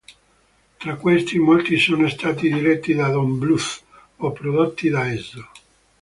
Tra questi, molti sono stati diretti da Don Bluth o prodotti da esso.